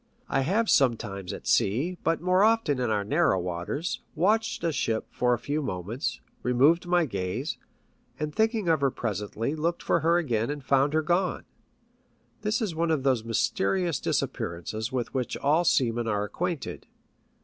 I have sometimes at sea, but more often in our narrow waters, watched a ship for a few moments, removed my gaze, and thinking of her presently, looked for her again and found her gone. This is one of those mysterious disappearances with which all seamen are acquainted.